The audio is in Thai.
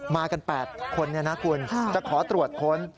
มากัน๘คนคุณจะขอตรวจค้น